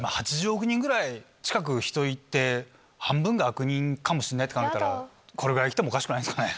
８０億人くらい、近く人いて、半分が悪人かもしんないって考えたら、これぐらい来てもおかしくないですかね。